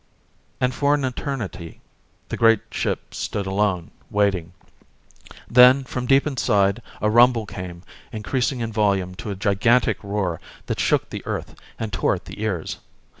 And for an eternity the great ship stood alone, waiting. Then, from deep inside, a rumble came, increasing in volume to a gigantic roar that shook the earth and tore at the ears.